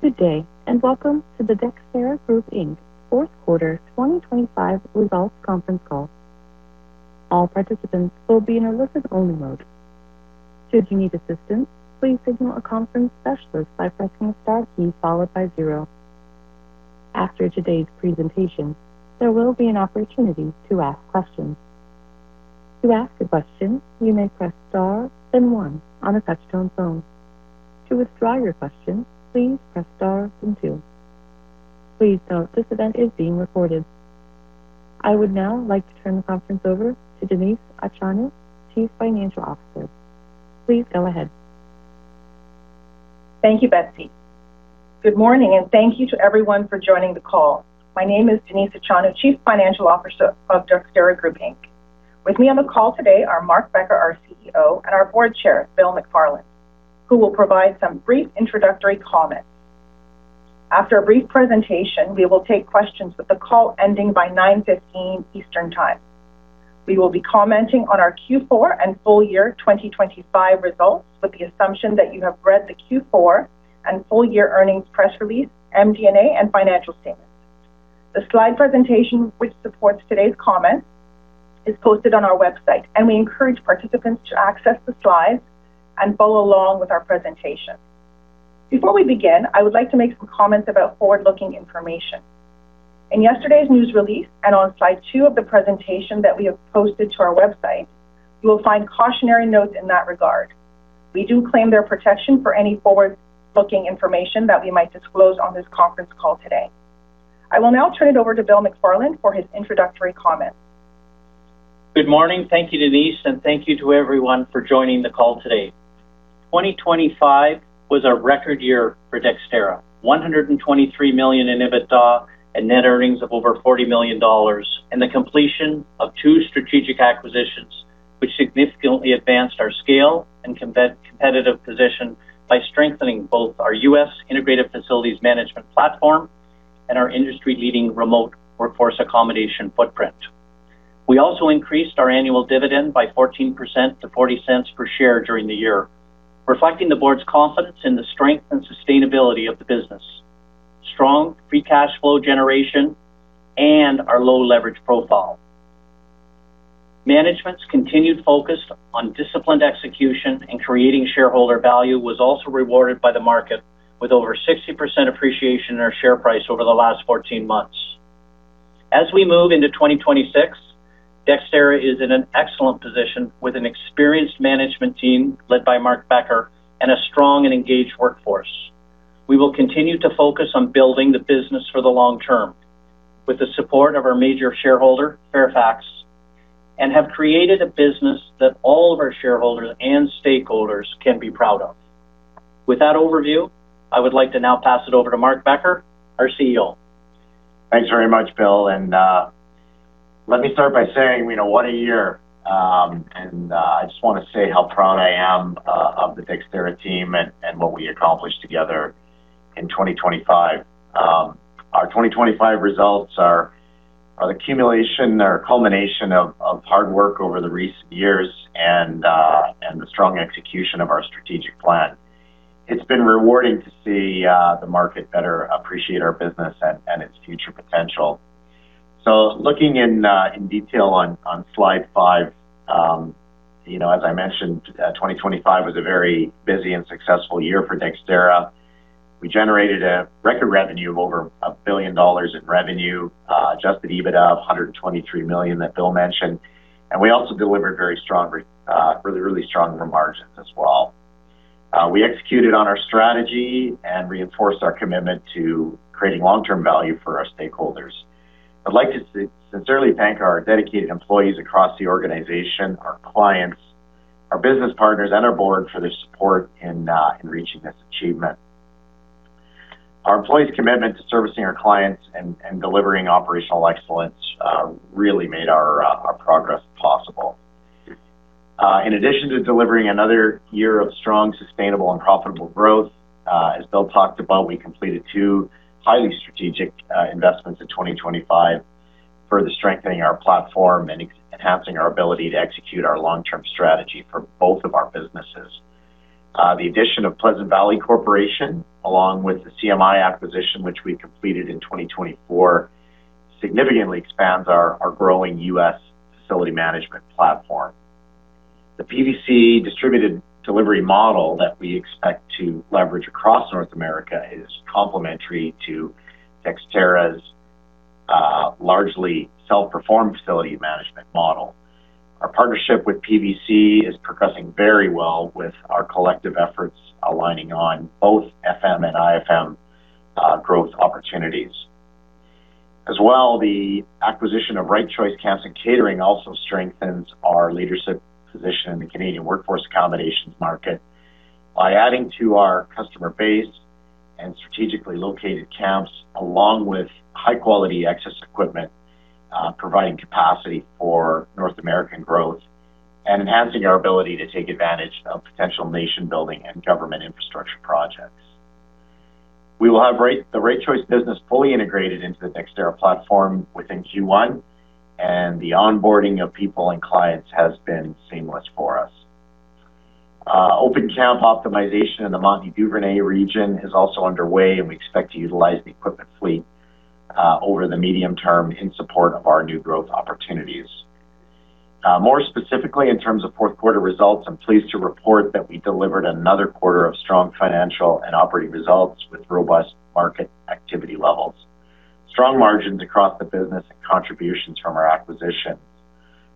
Good day, and welcome to the Dexterra Group Inc. fourth quarter 2025 results conference call. All participants will be in a listen-only mode. Should you need assistance, please signal a conference specialist by pressing star key followed by zero. After today's presentation, there will be an opportunity to ask questions. To ask a question, you may press star then one on a touch-tone phone. To withdraw your question, please press star then two. Please note this event is being recorded. I would now like to turn the conference over to Denise Achonu, Chief Financial Officer. Please go ahead. Thank you, Betsy. Good morning. Thank you to everyone for joining the call. My name is Denise Achonu, Chief Financial Officer of Dexterra Group Inc. With me on the call today are Mark Becker, our CEO, and our board chair, Bill McFarland, who will provide some brief introductory comments. After a brief presentation, we will take questions, with the call ending by 9:15 A.M. Eastern Time. We will be commenting on our Q4 and full year 2025 results with the assumption that you have read the Q4 and full year earnings press release, MD&A, and financial statements. The slide presentation which supports today's comments is posted on our website. We encourage participants to access the slides and follow along with our presentation. Before we begin, I would like to make some comments about forward-looking information. In yesterday's news release and on slide two of the presentation that we have posted to our website, you will find cautionary notes in that regard. We do claim their protection for any forward-looking information that we might disclose on this conference call today. I will now turn it over to Bill McFarland for his introductory comments. Good morning. Thank you, Denise. Thank you to everyone for joining the call today. 2025 was a record year for Dexterra. 123 million in EBITDA and net earnings of over 40 million dollars. The completion of two strategic acquisitions, which significantly advanced our scale and competitive position by strengthening both our U.S. integrated facilities management platform and our industry-leading remote workforce accommodation footprint. We also increased our annual dividend by 14% to 0.40 per share during the year, reflecting the board's confidence in the strength and sustainability of the business, strong free cash flow generation, and our low leverage profile. Management's continued focus on disciplined execution and creating shareholder value was also rewarded by the market with over 60% appreciation in our share price over the last 14 months. As we move into 2026, Dexterra is in an excellent position with an experienced management team led by Mark Becker and a strong and engaged workforce. We will continue to focus on building the business for the long term with the support of our major shareholder, Fairfax, and have created a business that all of our shareholders and stakeholders can be proud of. With that overview, I would like to now pass it over to Mark Becker, our CEO. Thanks very much, Bill. Let me start by saying, you know, what a year. I just wanna say how proud I am of the Dexterra team and what we accomplished together in 2025. Our 2025 results are the accumulation or culmination of hard work over the recent years and the strong execution of our strategic plan. It's been rewarding to see the market better appreciate our business and its future potential. Looking in detail on slide 5, you know, as I mentioned, 2025 was a very busy and successful year for Dexterra. We generated a record revenue of over 1 billion dollars in revenue, adjusted EBITDA of 123 million that Bill mentioned. We also delivered very really strong margins as well. We executed on our strategy and reinforced our commitment to creating long-term value for our stakeholders. I'd like to sincerely thank our dedicated employees across the organization, our clients, our business partners, and our board for their support in reaching this achievement. Our employees' commitment to servicing our clients and delivering operational excellence really made our progress possible. In addition to delivering another year of strong, sustainable, and profitable growth, as Bill talked about, we completed two highly strategic investments in 2025, further strengthening our platform and enhancing our ability to execute our long-term strategy for both of our businesses. The addition of Pleasant Valley Corporation, along with the CMI acquisition which we completed in 2024, significantly expands our growing U.S. facility management platform. The PVC distributed delivery model that we expect to leverage across North America is complementary to Dexterra's largely self-performed facilities management model. Our partnership with PVC is progressing very well with our collective efforts aligning on both FM and IFM growth opportunities. The acquisition of Right Choice Camps & Catering also strengthens our leadership position in the Canadian workforce accommodations market by adding to our customer base and strategically located camps, along with high-quality access equipment, providing capacity for North American growth and enhancing our ability to take advantage of potential nation-building and government infrastructure projects. We will have the Right Choice business fully integrated into the Dexterra platform within Q1. The onboarding of people and clients has been seamless for us. Open camp optimization in the Montney/Duvernay regionis also underway. We expect to utilize the equipment fleet over the medium term in support of our new growth opportunities. More specifically, in terms of fourth quarter results, I'm pleased to report that we delivered another quarter of strong financial and operating results with robust market activity levels. Strong margins across the business and contributions from our acquisition,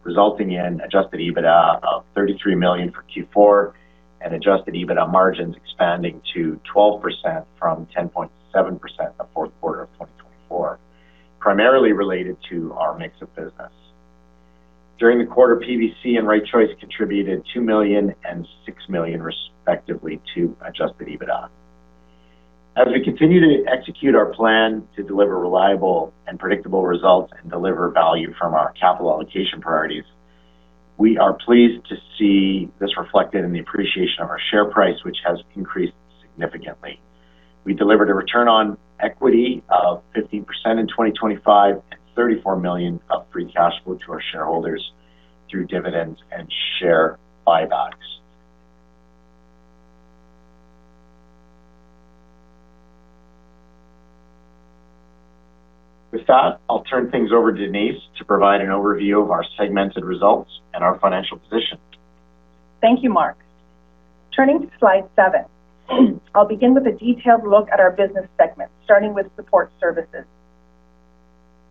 resulting in adjusted EBITDA of 33 million for Q4 and adjusted EBITDA margins expanding to 12% from 10.7% in the fourth quarter of 2024, primarily related to our mix of business. During the quarter, PVC and RightChoice contributed 2 million and 6 million respectively to adjusted EBITDA. As we continue to execute our plan to deliver reliable and predictable results and deliver value from our capital allocation priorities, we are pleased to see this reflected in the appreciation of our share price, which has increased significantly. We delivered a return on equity of 15% in 2025 and 34 million of free cash flow to our shareholders through dividends and share buybacks. With that, I'll turn things over to Denise to provide an overview of our segmented results and our financial position. Thank you, Mark. Turning to slide seven, I'll begin with a detailed look at our business segments, starting with support services.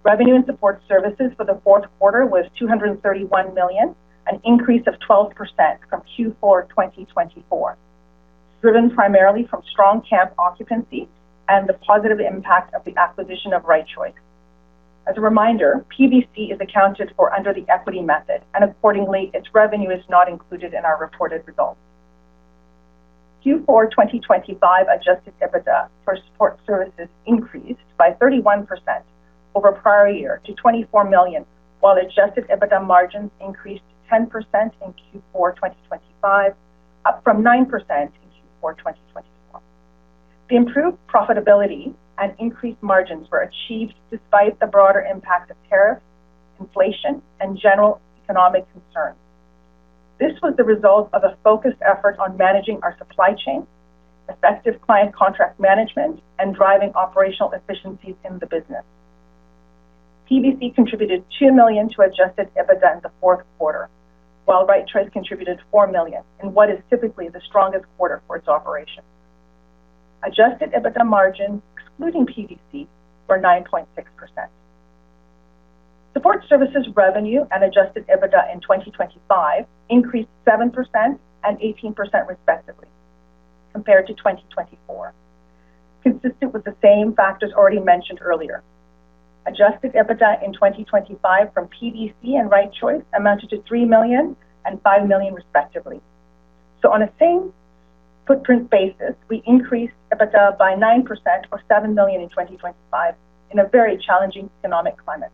Revenue and support services for the fourth quarter was 231 million, an increase of 12% from Q4 2024, driven primarily from strong camp occupancy and the positive impact of the acquisition of Right Choice. As a reminder, PVC is accounted for under the equity method, and accordingly, its revenue is not included in our reported results. Q4 2025 adjusted EBITDA for support services increased by 31% over prior year to 24 million, while adjusted EBITDA margins increased 10% in Q4 2025, up from 9% in Q4 2024. The improved profitability and increased margins were achieved despite the broader impact of tariffs, inflation, and general economic concerns. This was the result of a focused effort on managing our supply chain, effective client contract management, and driving operational efficiencies in the business. PVC contributed 2 million to adjusted EBITDA in the fourth quarter, while RightChoice contributed 4 million in what is typically the strongest quarter for its operation. Adjusted EBITDA margins, excluding PVC, were 9.6%. Support services revenue and adjusted EBITDA in 2025 increased 7% and 18% respectively compared to 2024, consistent with the same factors already mentioned earlier. Adjusted EBITDA in 2025 from PVC and RightChoice amounted to 3 million and 5 million respectively. On a same footprint basis, we increased EBITDA by 9% or 7 million in 2025 in a very challenging economic climate.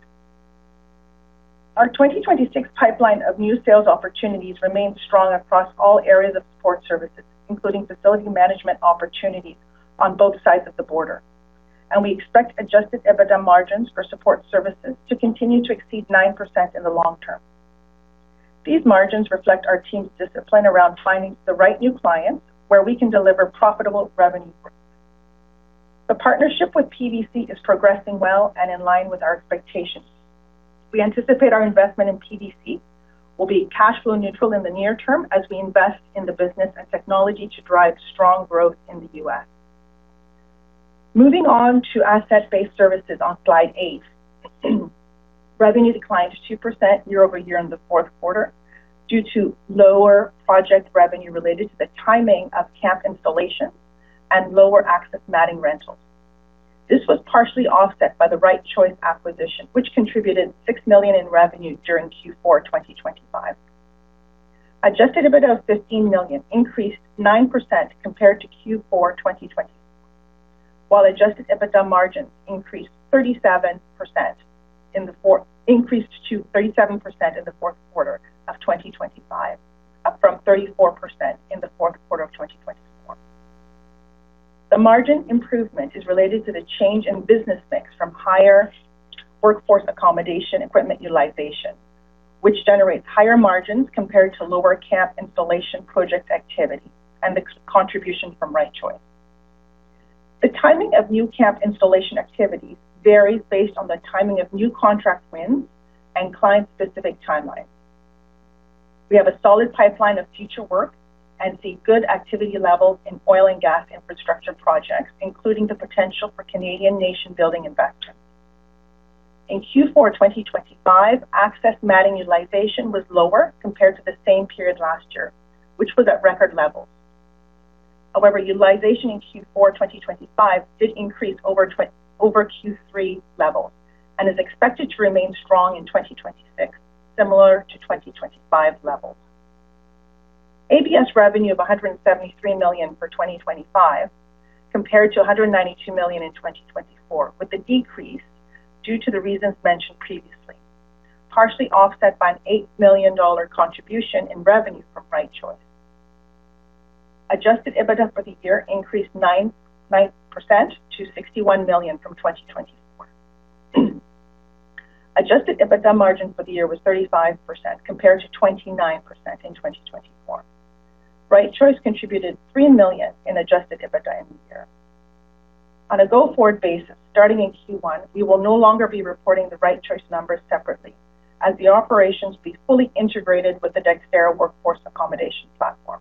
Our 2026 pipeline of new sales opportunities remains strong across all areas of support services, including facility management opportunities on both sides of the border. We expect adjusted EBITDA margins for support services to continue to exceed 9% in the long term. These margins reflect our team's discipline around finding the right new clients where we can deliver profitable revenue growth. The partnership with PVC is progressing well and in line with our expectations. We anticipate our investment in PVC will be cash flow neutral in the near term as we invest in the business and technology to drive strong growth in the U.S. Moving on to asset-based services on slide 8. Revenue declined 2% year-over-year in the fourth quarter due to lower project revenue related to the timing of camp installation and lower access matting rentals. This was partially offset by the Right Choice acquisition, which contributed 6 million in revenue during Q4 2025. Adjusted EBITDA of 15 million increased 9% compared to Q4 2024, while adjusted EBITDA margins increased to 37% in the fourth quarter of 2025, up from 34% in the fourth quarter of 2024. The margin improvement is related to the change in business mix from higher workforce accommodation equipment utilization, which generates higher margins compared to lower camp installation project activity and the contribution from Right Choice. The timing of new camp installation activities varies based on the timing of new contract wins and client-specific timelines. We have a solid pipeline of future work and see good activity levels in oil and gas infrastructure projects, including the potential for Canadian nation-building investment. In Q4 2025, access matting utilization was lower compared to the same period last year, which was at record levels. Utilization in Q4 2025 did increase over Q3 levels and is expected to remain strong in 2026, similar to 2025 levels. ABS revenue of 173 million for 2025 compared to 192 million in 2024, with the decrease due to the reasons mentioned previously, partially offset by a 8 million dollar contribution in revenue from RightChoice. Adjusted EBITDA for the year increased 9% to 61 million from 2024. Adjusted EBITDA margin for the year was 35% compared to 29% in 2024. Right Choice contributed 3 million in Adjusted EBITDA in the year. On a go-forward basis, starting in Q1, we will no longer be reporting the Right Choice numbers separately as the operations will be fully integrated with the Dexterra Workforce Accommodation platform.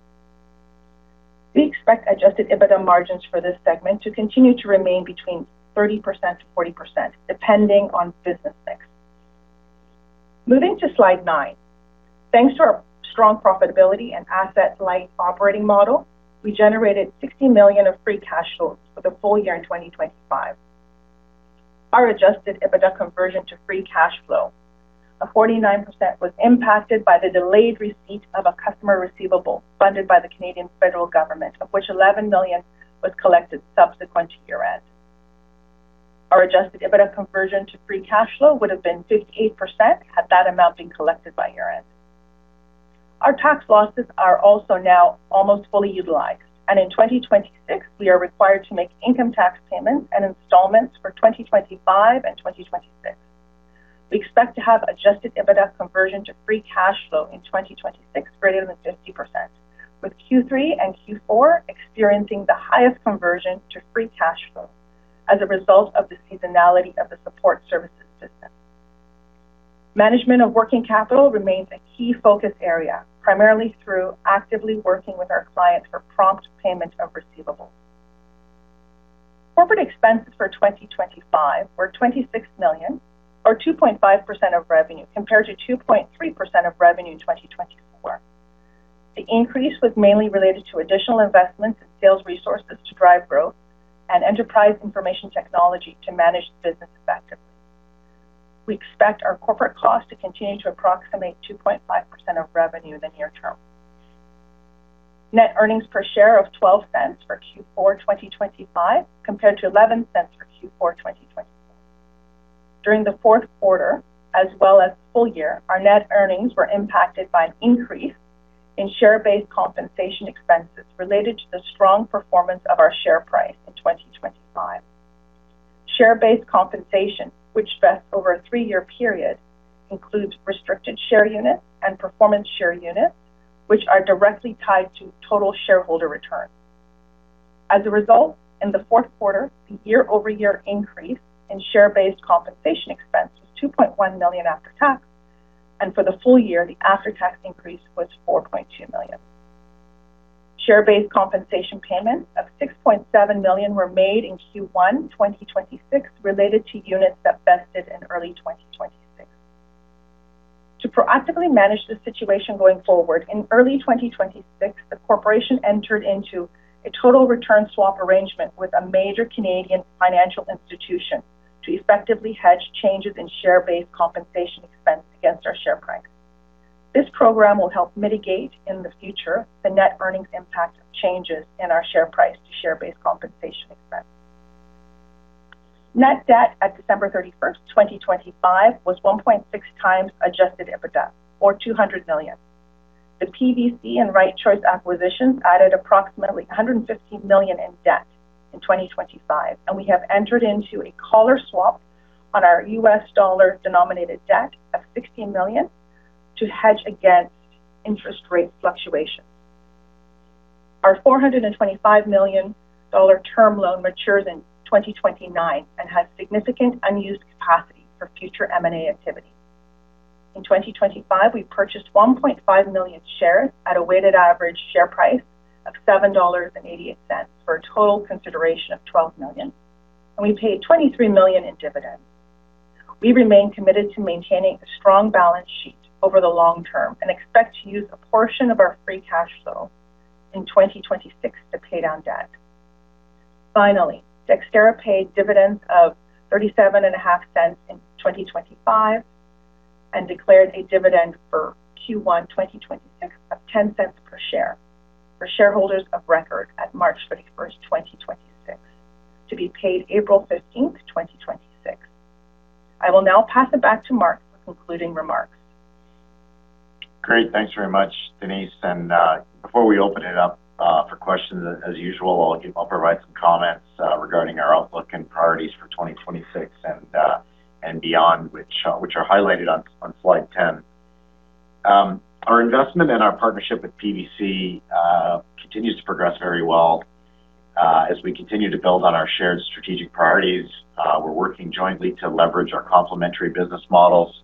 We expect adjusted EBITDA margins for this segment to continue to remain between 30%-40%, depending on business mix. Moving to slide 9. Thanks to our strong profitability and asset-light operating model, we generated $60 million of free cash flows for the full year in 2025. Our adjusted EBITDA conversion to free cash flow of 49% was impacted by the delayed receipt of a customer receivable funded by the Canadian federal government, of which $11 million was collected subsequent to year-end. Our adjusted EBITDA conversion to free cash flow would have been 58% had that amount been collected by year-end. Our tax losses are also now almost fully utilized, and in 2026 we are required to make income tax payments and installments for 2025 and 2026. We expect to have adjusted EBITDA conversion to free cash flow in 2026 greater than 50%, with Q3 and Q4 experiencing the highest conversion to free cash flow as a result of the seasonality of the support services business. Management of working capital remains a key focus area, primarily through actively working with our clients for prompt payment of receivables. Corporate expenses for 2025 were 26 million or 2.5% of revenue, compared to 2.3% of revenue in 2024. The increase was mainly related to additional investments in sales resources to drive growth and enterprise information technology to manage the business effectively. We expect our corporate costs to continue to approximate 2.5% of revenue in the near term. Net earnings per share of 0.12 for Q4 2025, compared to 0.11 for Q4 2024. During the fourth quarter as well as full year, our net earnings were impacted by an increase in share-based compensation expenses related to the strong performance of our share price in 2025. Share-based compensation, which vests over a 3-year period, includes restricted share units and performance share units, which are directly tied to total shareholder return. As a result, in the fourth quarter, the year-over-year increase in share-based compensation expense was 2.1 million after tax, and for the full year, the after-tax increase was 4.2 million. Share-based compensation payments of 6.7 million were made in Q1 2026 related to units that vested in early 2026. To proactively manage the situation going forward, in early 2026, the corporation entered into a total return swap arrangement with a major Canadian financial institution to effectively hedge changes in share-based compensation expense against our share price. This program will help mitigate in the future the net earnings impact of changes in our share price to share-based compensation expense. Net debt at December 31st, 2025 was 1.6x adjusted EBITDA or 200 million. The PVC and Right Choice acquisitions added approximately 115 million in debt in 2025. We have entered into a collar swap on our US dollar-denominated debt of $16 million to hedge against interest rate fluctuation. Our 425 million dollar term loan matures in 2029 and has significant unused capacity for future M&A activity. In 2025, we purchased 1.5 million shares at a weighted average share price of 7.80 dollars, for a total consideration of 12 million, and we paid 23 million in dividends. We remain committed to maintaining a strong balance sheet over the long term and expect to use a portion of our free cash flow in 2026 to pay down debt. Finally, Dexterra paid dividends of 0.375 in 2025 and declared a dividend for Q1 2026 of 0.10 per share for shareholders of record at March 31, 2026, to be paid April 15, 2026. I will now pass it back to Mark for concluding remarks. Great. Thanks very much, Denise. Before we open it up for questions as usual, I'll provide some comments regarding our outlook and priorities for 2026 and beyond, which are highlighted on slide 10. Our investment and our partnership with PVC continues to progress very well as we continue to build on our shared strategic priorities. We're working jointly to leverage our complementary business models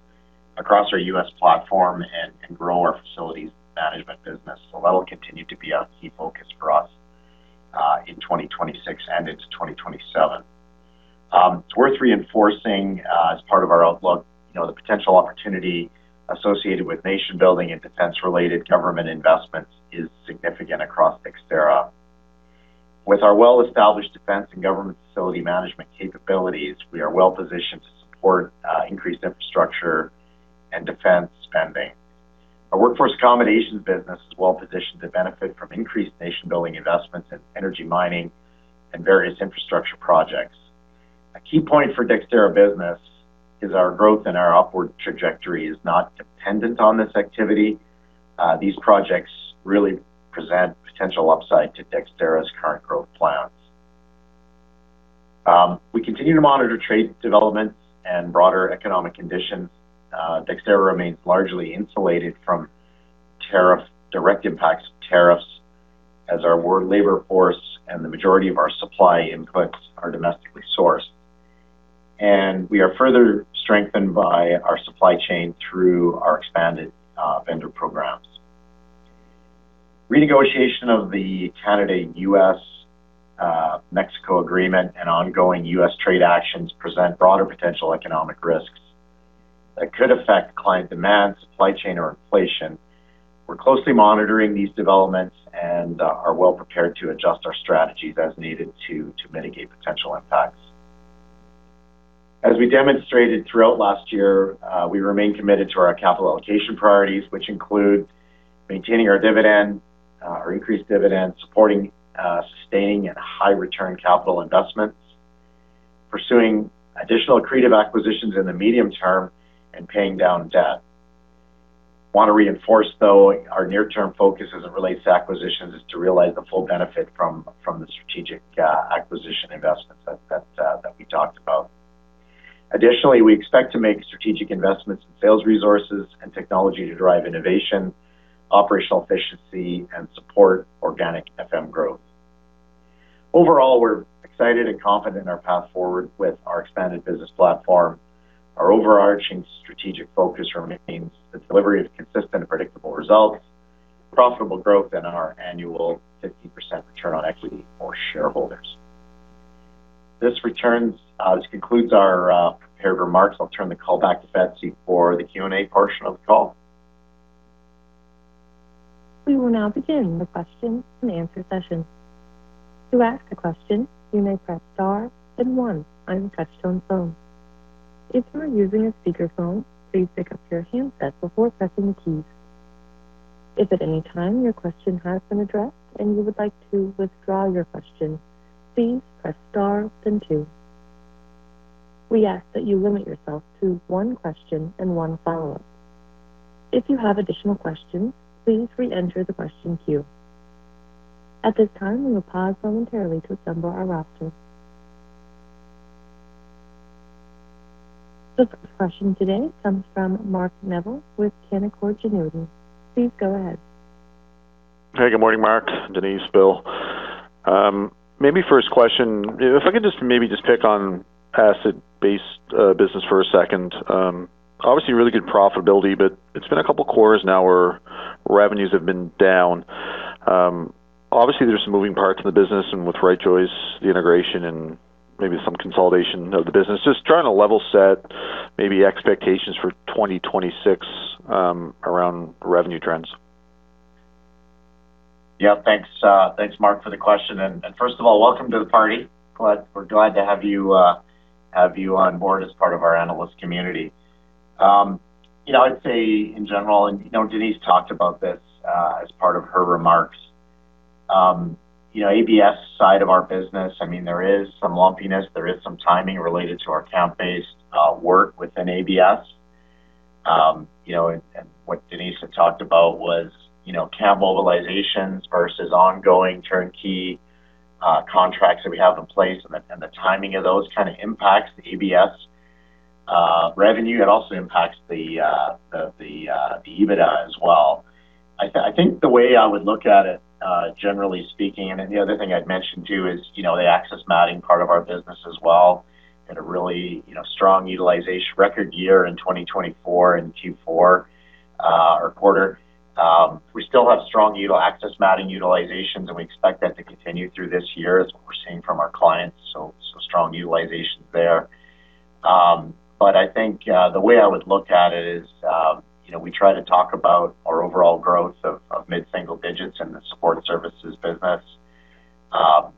across our U.S. platform and grow our facilities management business. That'll continue to be a key focus for us in 2026 and into 2027. It's worth reinforcing as part of our outlook, you know, the potential opportunity associated with nation-building and defense-related government investments is significant across Dexterra. With our well-established defense and government facility management capabilities, we are well positioned to support increased infrastructure and defense spending. Our workforce accommodations business is well positioned to benefit from increased nation-building investments in energy mining and various infrastructure projects. A key point for Dexterra business is our growth and our upward trajectory is not dependent on this activity. These projects really present potential upside to Dexterra's current growth plans. We continue to monitor trade developments and broader economic conditions. Dexterra remains largely insulated from direct impacts of tariffs as our work labor force and the majority of our supply inputs are domestically sourced. We are further strengthened by our supply chain through our expanded vendor programs. Renegotiation of the Canada-U.S. Mexico Agreement and ongoing U.S. trade actions present broader potential economic risks that could affect client demand, supply chain or inflation. We're closely monitoring these developments and are well prepared to adjust our strategies as needed to mitigate potential impacts. As we demonstrated throughout last year, we remain committed to our capital allocation priorities, which include maintaining our dividend, our increased dividend, supporting sustaining and high return capital investments, pursuing additional accretive acquisitions in the medium term, and paying down debt. Want to reinforce, though, our near-term focus as it relates to acquisitions is to realize the full benefit from the strategic acquisition investments that we talked about. Additionally, we expect to make strategic investments in sales resources and technology to drive innovation, operational efficiency, and support organic FM growth. Overall, we're excited and confident in our path forward with our expanded business platform. Our overarching strategic focus remains the delivery of consistent and predictable results, profitable growth, and our annual 50% return on equity for shareholders. This concludes our prepared remarks. I'll turn the call back to Betsy for the Q&A portion of the call. We will now begin the question-and-answer session. To ask a question, you may press star then one on your touch-tone phone. If you are using a speaker phone, please pick up your handset before pressing the keys. If at any time your question has been addressed and you would like to withdraw your question, please press star then two. We ask that you limit yourself to one question and one follow-up. If you have additional questions, please reenter the question queue. At this time, we will pause momentarily to assemble our roster. The first question today comes from Mark Neville with Canaccord Genuity. Please go ahead. Good morning, Mark, Denise, Bill. Maybe first question. If I could just maybe just pick on asset-based business for a second. Obviously really good profitability, but it's been a couple quarters now where revenues have been down. Obviously, there's some moving parts in the business and with Right Choice, the integration and maybe some consolidation of the business. Just trying to level set maybe expectations for 2026 around revenue trends. Yeah, thanks Mark, for the question. First of all, welcome to the party. We're glad to have you on board as part of our analyst community. You know, I'd say in general, you know, Denise talked about this as part of her remarks. You know, ABS side of our business, I mean, there is some lumpiness. There is some timing related to our account-based work within ABS. You know, what Denise had talked about was, you know, camp mobilizations versus ongoing turnkey contracts that we have in place. The timing of those kind of impacts the ABS revenue. It also impacts the EBITDA as well. I think the way I would look at it, generally speaking, and then the other thing I'd mention, too, is, you know, the access matting part of our business as well, had a really, you know, strong utilization record year in 2024 in Q4, or quarter. We still have strong access matting utilizations, and we expect that to continue through this year as what we're seeing from our clients, so strong utilizations there. I think, the way I would look at it is, you know, we try to talk about our overall growth of mid-single digits in the support services business,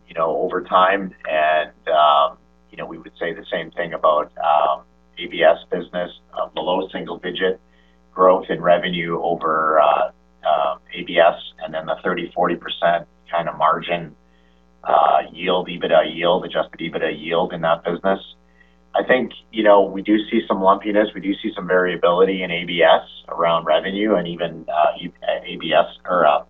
you know, over time. You know, we would say the same thing about ABS business of the low single-digit growth in revenue over ABS and then the 30-40% kinda margin yield, EBITDA yield, adjusted EBITDA yield in that business. I think, you know, we do see some lumpiness. We do see some variability in ABS around revenue and even ABS or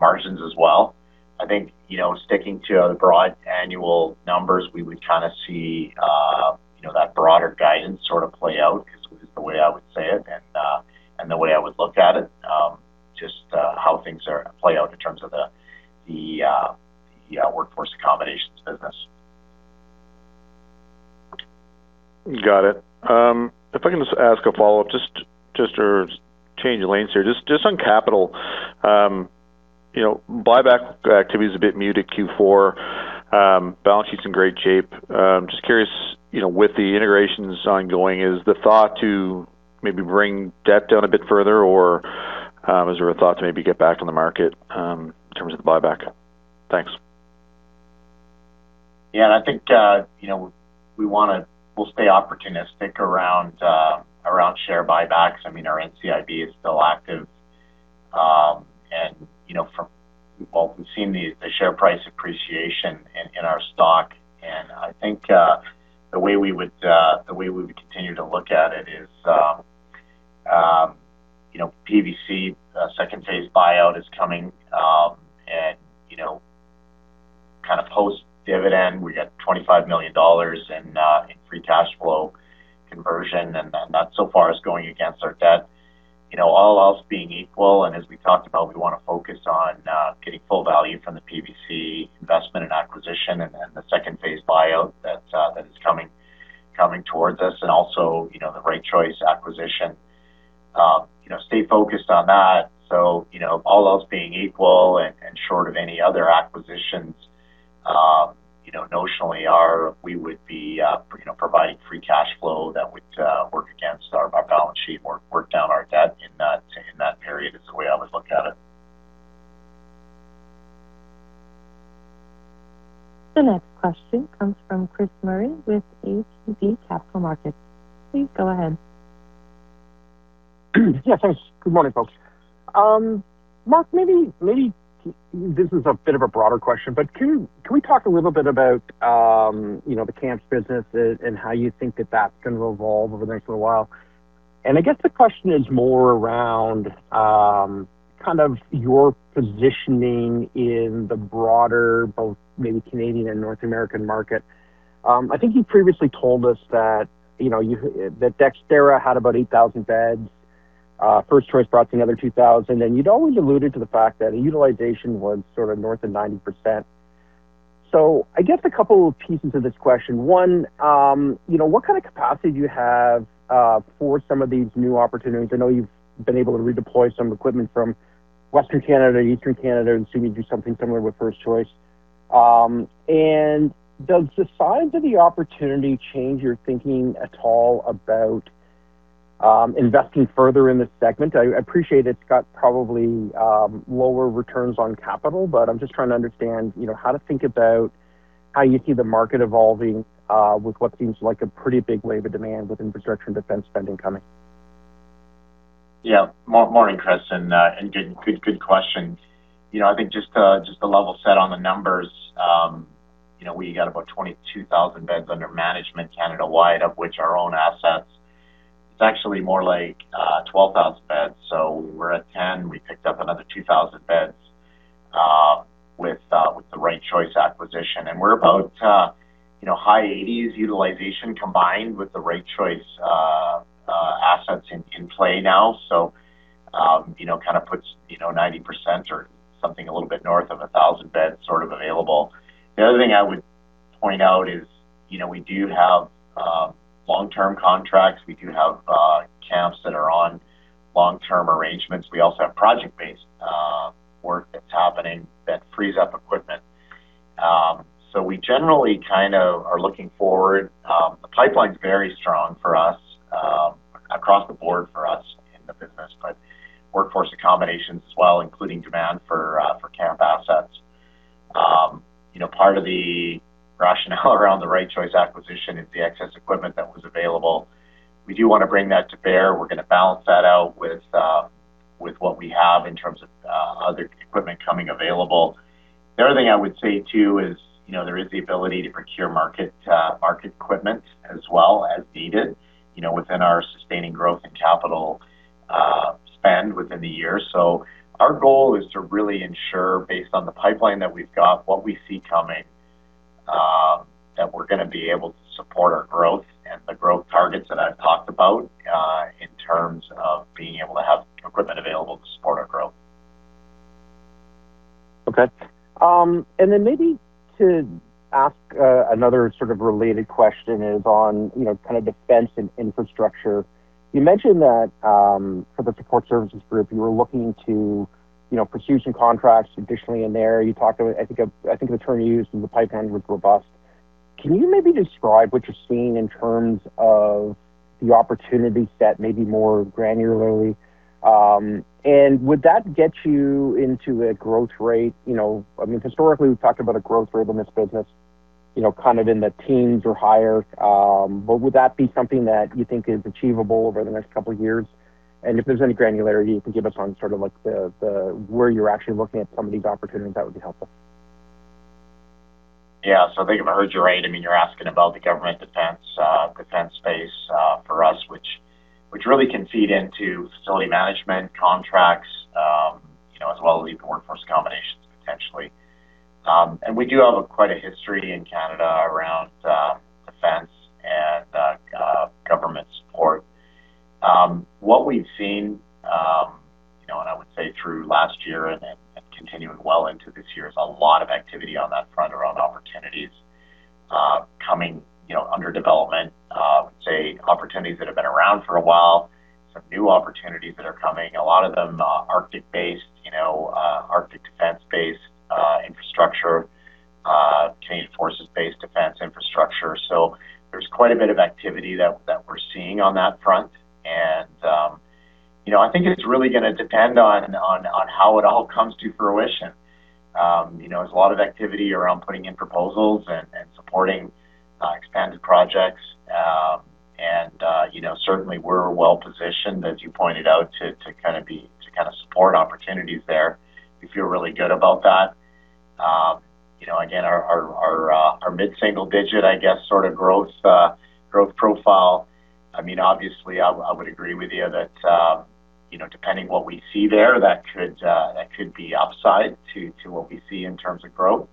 margins as well. I think, you know, sticking to broad annual numbers, we would kinda see, you know, that broader guidance sort of play out, is the way I would say it and the way I would look at it, just play out in terms of the workforce accommodations business. Got it. If I can just ask a follow-up, just to change lanes here. Just on capital, you know, buyback activity is a bit muted Q4. Balance sheet's in great shape. Just curious, you know, with the integrations ongoing, is the thought to maybe bring debt down a bit further or, is there a thought to maybe get back on the market in terms of the buyback? Thanks. Yeah. I think, you know, we'll stay opportunistic around share buybacks. I mean, our NCIB is still active. You know, we've all seen the share price appreciation in our stock. I think the way we would the way we would continue to look at it is, you know, PVC second phase buyout is coming, and, you know, kind of post dividend, we got 25 million dollars in free cash flow conversion, and that so far is going against our debt. You know, all else being equal, and as we talked about, we wanna focus on getting full value from the PVC investment and acquisition and then the second phase buyout that's that is coming towards us and also, you know, the Right Choice acquisition. You know, stay focused on that. You know, all else being equal and short of any other acquisitions, you know, notionally we would be, you know, providing free cash flow that would work against our balance sheet, work down our debt in that, in that period is the way I would look at it. The next question comes from Chris Murray with ATB Capital Markets. Please go ahead. Yeah, thanks. Good morning, folks. Mark, maybe this is a bit of a broader question, but can we talk a little bit about, you know, the camps business and how you think that that's gonna evolve over the next little while? I guess the question is more around, kind of your positioning in the broader, both maybe Canadian and North American market. I think you previously told us that, you know, you that Dexterra had about 8,000 beds. Right Choice brought together 2,000, and you'd always alluded to the fact that utilization was sort of north of 90%. I guess a couple pieces of this question. One, you know, what kind of capacity do you have for some of these new opportunities? I know you've been able to redeploy some equipment from Western Canada, Eastern Canada, and soon you do something similar with First Choice. Does the size of the opportunity change your thinking at all about investing further in this segment? I appreciate it's got probably lower returns on capital, but I'm just trying to understand, you know, how to think about how you see the market evolving with what seems like a pretty big wave of demand with infrastructure and defense spending coming. Yeah. Morning, Chris, and good question. You know, I think just the level set on the numbers, you know, we got about 22,000 beds under management Canada-wide, of which our own assets is actually more like 12,000 beds. We're at 10. We picked up another 2,000 beds with the Right Choice acquisition. We're about, you know, high 80s utilization combined with the Right Choice assets in play now. You know, kind of puts, you know, 90% or something a little bit north of 1,000 beds sort of available. The other thing I would point out is, you know, we do have long-term contracts. We do have camps that are on long-term arrangements. We also have project-based work that's happening that frees up equipment. We generally kind of are looking forward. The pipeline's very strong for us, across the board for us in the business, but workforce accommodations as well, including demand for camp assets. You know, part of the rationale around the Right Choice acquisition is the excess equipment that was available. We do wanna bring that to bear. We're gonna balance that out with what we have in terms of other equipment coming available. The other thing I would say, too, is, you know, there is the ability to procure market equipment as well as needed, you know, within our sustaining growth and capital spend within the year. Our goal is to really ensure based on the pipeline that we've got, what we see coming, that we're gonna be able to support our growth and the growth targets that I've talked about, in terms of being able to have equipment available to support our growth. Okay. Maybe to ask another sort of related question is on, you know, kind of defense and infrastructure. You mentioned that for the support services group, you were looking to, you know, pursue some contracts additionally in there. You talked about I think the term you used in the pipeline was robust. Can you maybe describe what you're seeing in terms of the opportunity set maybe more granularly? Would that get you into a growth rate, you know... I mean, historically, we've talked about a growth rate in this business, you know, kind of in the teens or higher. Would that be something that you think is achievable over the next couple of years? If there's any granularity you can give us on sort of like the where you're actually looking at some of these opportunities, that would be helpful. Yeah. I think I've heard you right. I mean, you're asking about the government defense space for us, which really can feed into facility management contracts, you know, as well as even workforce combinations potentially. We do have quite a history in Canada around defense and government support. What we've seen, you know, I would say through last year and then, continuing well into this year is a lot of activity on that front around opportunities coming, you know, under development. Say, opportunities that have been around for a while, some new opportunities that are coming, a lot of them, Arctic based, you know, Arctic defense based infrastructure, Canadian Forces based defense infrastructure. There's quite a bit of activity that we're seeing on that front. You know, I think it's really gonna depend on how it all comes to fruition. You know, there's a lot of activity around putting in proposals and supporting expanded projects. You know, certainly we're well-positioned, as you pointed out, to kind of support opportunities there. We feel really good about that. You know, again, our mid-single digit, I guess, sort of growth profile, I mean, obviously I would agree with you that, you know, depending what we see there, that could be upside to what we see in terms of growth.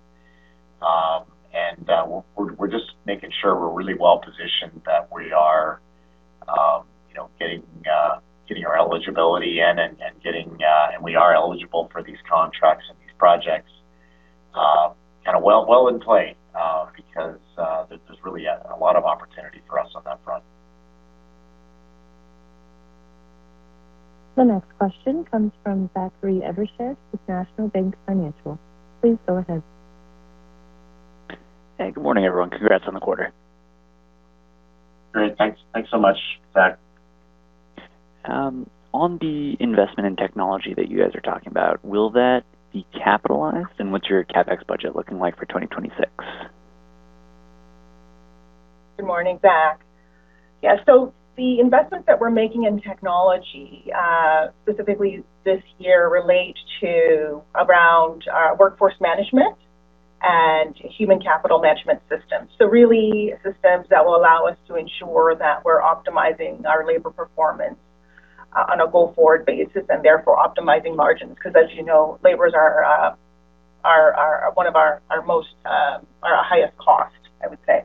We're just making sure we're really well-positioned, that we are, you know, getting our eligibility in and getting, and we are eligible for these contracts and these projects, kind of well in play, because there's really a lot of opportunity for us on that front. The next question comes from Zachary Evershed with National Bank Financial. Please go ahead. Hey, good morning, everyone. Congrats on the quarter. Great. Thanks so much, Zach. On the investment in technology that you guys are talking about, will that be capitalized, and what's your CapEx budget looking like for 2026? Good morning, Zach. The investments that we're making in technology, specifically this year relate to around workforce management and human capital management systems. Really systems that will allow us to ensure that we're optimizing our labor performance on a go-forward basis, and therefore optimizing margins. As you know, labors are one of our most, our highest cost, I would say.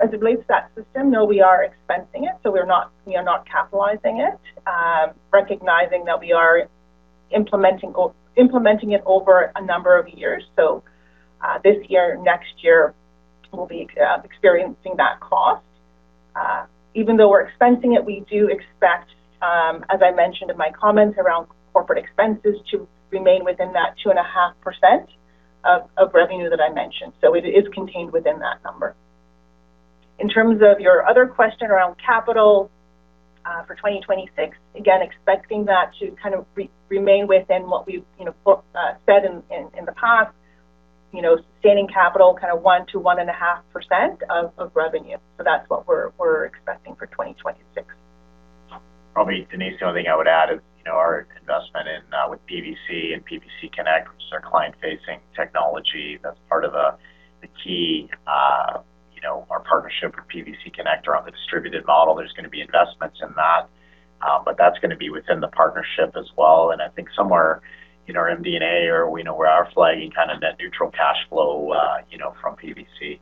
As it relates to that system, no, we are expensing it, we are not capitalizing it, recognizing that we are implementing it over a number of years. This year, next year, we'll be experiencing that cost. Even though we're expensing it, we do expect, as I mentioned in my comments around corporate expenses, to remain within that 2.5% of revenue that I mentioned. It is contained within that number. In terms of your other question around capital, for 2026, again, expecting that to kind of remain within what we've, you know, put said in the past, you know, sustaining capital kind of 1%-1.5% of revenue. That's what we're expecting for 2026. Probably, Denise, the only thing I would add is, you know, our investment in with PVC and PVC Connect, which is our client-facing technology, that's part of the key, you know, our partnership with PVC Connect around the distributed model. There's gonna be investments in that, but that's gonna be within the partnership as well. I think somewhere in our MD&A or we know where our flagging kind of that neutral cash flow, you know, from PVC,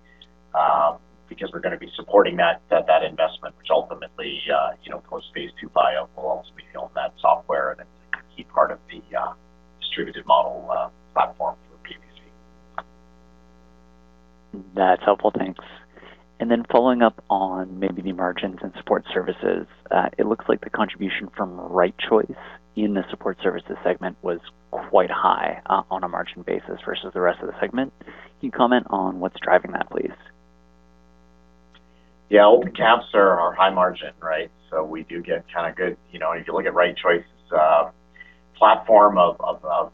because we're gonna be supporting that investment, which ultimately, you know, post-phase two bio will also be owned that software and it's a key part of the distributed model platform for PVC. That's helpful. Thanks. Following up on maybe the margins and support services, it looks like the contribution from RightChoice in the support services segment was quite high on a margin basis versus the rest of the segment. Can you comment on what's driving that, please? Yeah. Open camps are our high margin, right? We do get kind of good. You know, if you look at Right Choice's platform of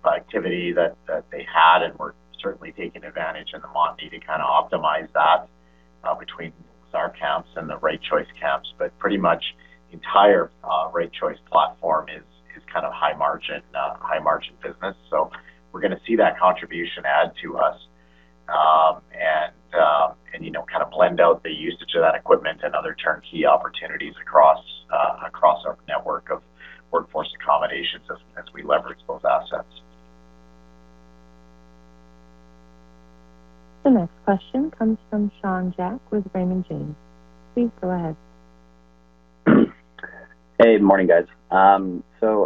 activity that they had, and we're certainly taking advantage in the monthly to kind of optimize that between our camps and the Right Choice camps. Pretty much the entire Right Choice platform is kind of high margin business. We're gonna see that contribution add to us, and you know, kind of blend out the usage of that equipment and other turnkey opportunities across our network of workforce accommodation systems as we leverage those assets. The next question comes from Sean Jack with Raymond James. Please go ahead. Hey, good morning, guys.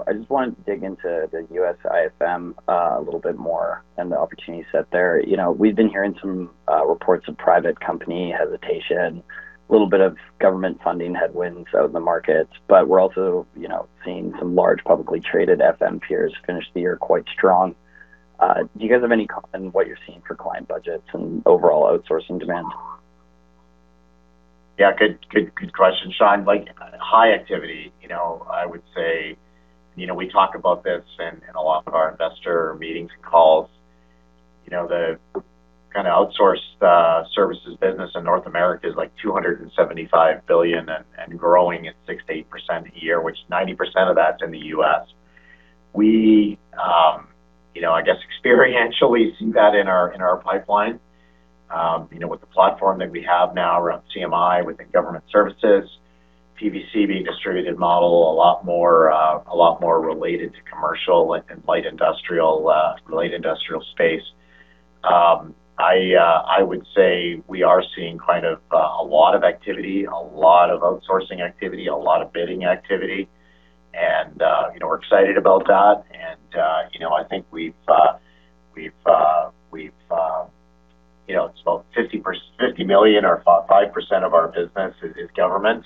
I just wanted to dig into the U.S. IFM a little bit more and the opportunity set there. You know, we've been hearing some reports of private company hesitation, little bit of government funding headwinds out in the markets. We're also, you know, seeing some large publicly traded FM peers finish the year quite strong. Do you guys have any comment on what you're seeing for client budgets and overall outsourcing demand? Yeah. Good, good question, Sean. Like high activity, you know, I would say, you know, we talk about this in a lot of our investor meetings and calls. You know, the kinda outsource services business in North America is like $275 billion and growing at 6%-8% a year, which 90% of that's in the U.S. We, you know, I guess experientially see that in our, in our pipeline, you know, with the platform that we have now around CMI within government services, PVC being distributed model a lot more, a lot more related to commercial and light industrial related industrial space. I would say we are seeing kind of a lot of activity, a lot of outsourcing activity, a lot of bidding activity and, you know, we're excited about that. You know, I think we've, you know, it's about 50 million or 5% of our business is government.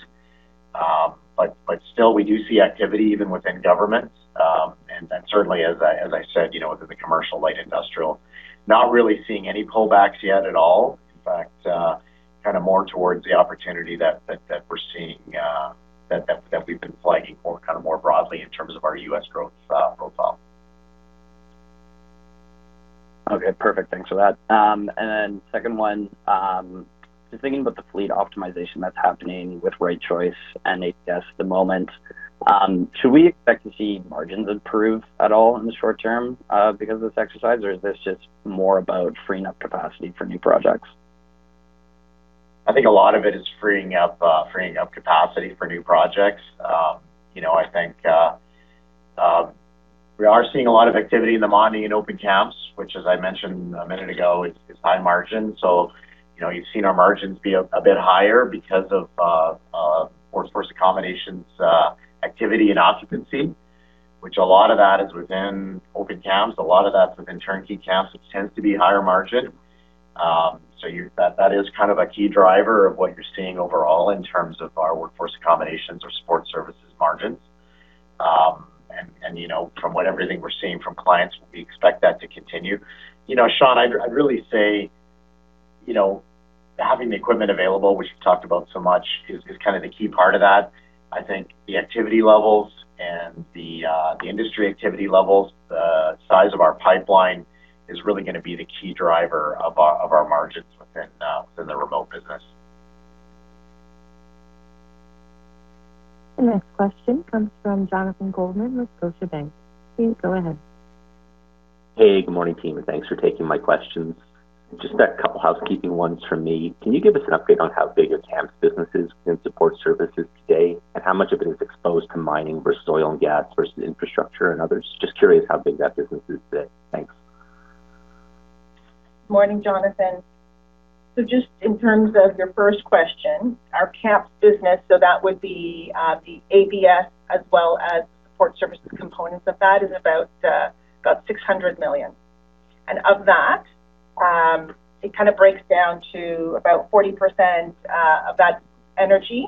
Still we do see activity even within governments. Certainly as I said, you know, within the commercial light industrial. Not really seeing any pullbacks yet at all. In fact, kind of more towards the opportunity that we're seeing, that we've been flagging more, kind of more broadly in terms of our US growth profile. Okay, perfect. Thanks for that. Second one, just thinking about the fleet optimization that's happening with Right Choice and HS at the moment, should we expect to see margins improve at all in the short term, because of this exercise or is this just more about freeing up capacity for new projects? I think a lot of it is freeing up capacity for new projects. You know, I think we are seeing a lot of activity in the mining and open camps, which as I mentioned a minute ago, is high margin. You know, you've seen our margins be a bit higher because of workforce accommodations activity and occupancy, which a lot of that is within open camps. A lot of that's within turnkey camps, which tends to be higher margin. That is kind of a key driver of what you're seeing overall in terms of our workforce accommodations or support services margins. You know, from what everything we're seeing from clients, we expect that to continue. You know, Sean, I'd really say, you know, having the equipment available, which we've talked about so much, is kind of the key part of that. I think the activity levels and the industry activity levels, the size of our pipeline is really gonna be the key driver of our margins within the remote business. The next question comes from Jonathan Goldman with Scotiabank. Please go ahead. Hey, good morning team, and thanks for taking my questions. Just a couple housekeeping ones from me. Can you give us an update on how big your camps business is in support services today, and how much of it is exposed to mining versus oil and gas versus infrastructure and others? Just curious how big that business is today. Thanks. Morning, Jonathan. Just in terms of your first question, our camps business, that would be the ABS as well as support services components of that is about 600 million. Of that, it kind of breaks down to about 40% of that energy,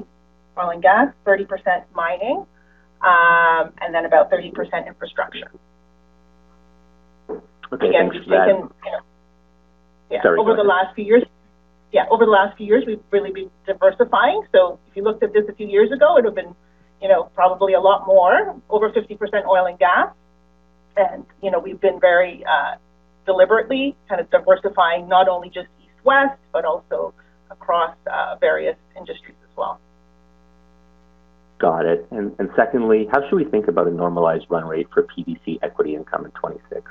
oil and gas, 30% mining, about 30% infrastructure. Okay. Thanks for that. Again, you can... Sorry, go ahead. Yeah. Over the last few years, we've really been diversifying. If you looked at this a few years ago, it would've been, you know, probably a lot more, over 50% oil and gas. You know, we've been very deliberately kind of diversifying not only just east-west but also across various industries as well. Got it. Secondly, how should we think about a normalized run rate for PBC equity income in 2026?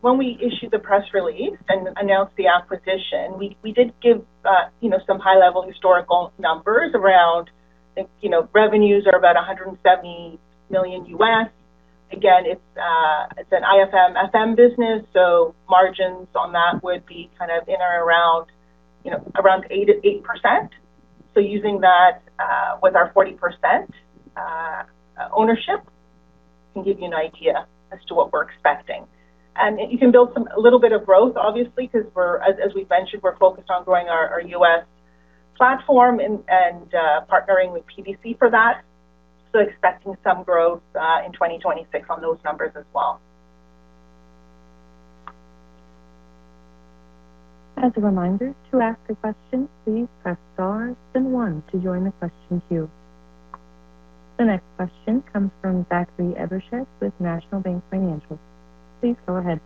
When we issued the press release and announced the acquisition, we did give, you know, some high-level historical numbers around, you know, revenues are about $170 million U.S. Again, it's an IFM FM business, so margins on that would be kind of in or around 8%-8%. Using that, with our 40% ownership can give you an idea as to what we're expecting. You can build some, a little bit of growth obviously, because we're, as we've mentioned, we're focused on growing our U.S. platform and, partnering with PVC for that. Expecting some growth in 2026 on those numbers as well. As a reminder, to ask a question, please press star then one to join the question queue. The next question comes from Zachary Evershed with National Bank Financial. Please go ahead.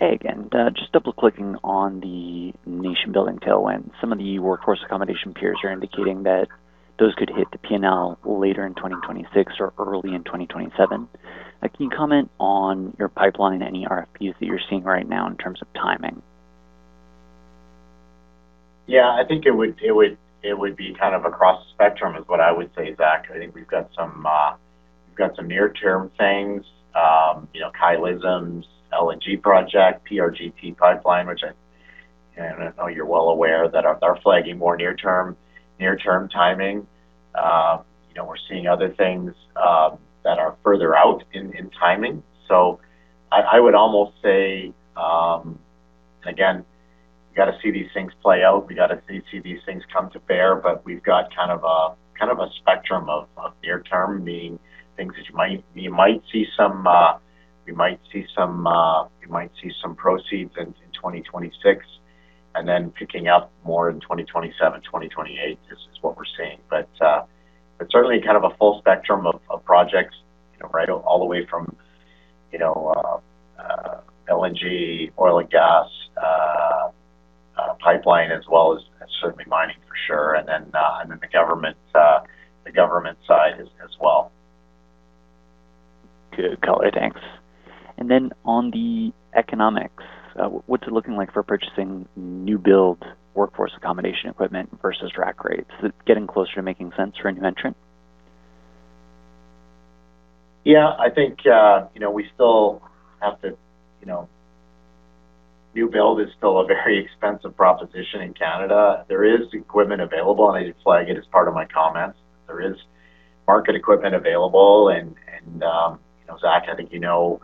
Hey again. Just double-clicking on the nation building tailwind. Some of the workforce accommodation peers are indicating that those could hit the P&L later in 2026 or early in 2027. Can you comment on your pipeline, any RFPs that you're seeing right now in terms of timing? Yeah, I think it would be kind of across the spectrum is what I would say, Zach. I think we've got some near-term things, you know, Ksi Lisims LNG project, PRGT pipeline, which I know you're well aware that are flagging more near-term, near-term timing. you know, we're seeing other things that are further out in timing. I would almost say, again, we gotta see these things play out. We gotta see these things come to bear. We've got kind of a spectrum of near term, meaning things that you might see some proceeds in 2026, and then picking up more in 2027, 2028 is what we're seeing. Certainly kind of a full spectrum of projects, you know, right all the way from, you know, LNG, oil and gas, pipeline as certainly mining for sure. Then, the government, the government side as well. Good. Got it. Thanks. Then on the economics, what's it looking like for purchasing new build workforce accommodation equipment versus rack rates? Is it getting closer to making sense for intervention? Yeah, I think, you know, we still have to, you know, new build is still a very expensive proposition in Canada. There is equipment available, and I did flag it as part of my comments. There is market equipment available and, you know, Zach, I think you know,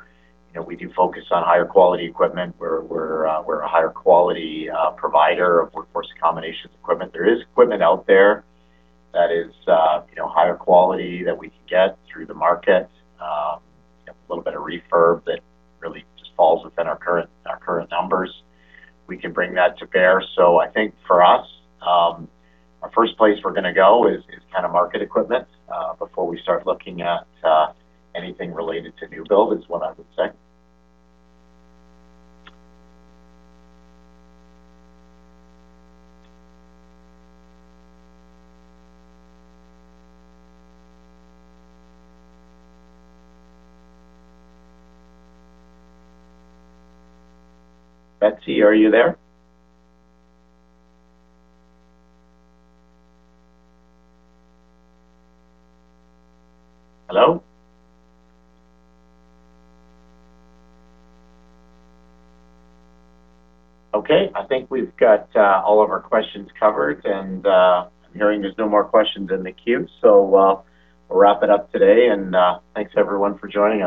we do focus on higher quality equipment. We're a higher quality provider of workforce accommodations equipment. There is equipment out there that is, you know, higher quality that we can get through the market. A little bit of refurb that really just falls within our current numbers. We can bring that to bear. I think for us, our first place we're gonna go is kind of market equipment before we start looking at anything related to new build is what I would say. Betsy, are you there? Hello? Okay. I think we've got all of our questions covered and I'm hearing there's no more questions in the queue. We'll wrap it up today and thanks everyone for joining.